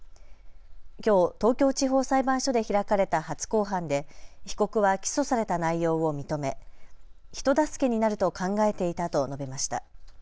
きょう東京地方裁判所で開かれた初公判で被告は起訴された内容を認め人助けになると考えていたと述べました。